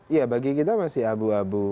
ya bagi kita masih abu abu